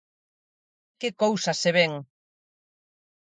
¡Que cousas se ven!